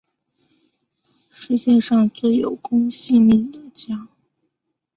世界上最有公信力的奖